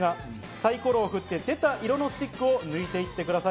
サイコロを振って、出た色のスティックを抜いていってください。